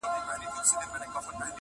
چي د ژوند د رنګینیو سر اغاز دی،